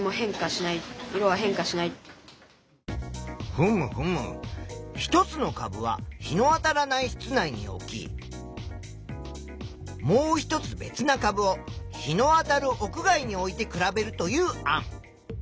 ふむふむ１つの株は日のあたらない室内に置きもう一つ別な株を日のあたる屋外に置いて比べるという案。